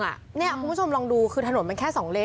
คุณผู้ชมลองดูคือถนนมันแค่๒เลน